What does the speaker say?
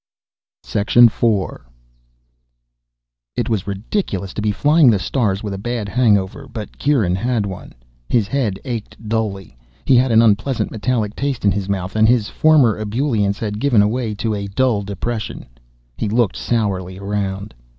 4. It was ridiculous to be flying the stars with a bad hangover, but Kieran had one. His head ached dully, he had an unpleasant metallic taste in his mouth, and his former ebullience had given way to a dull depression. He looked sourly around.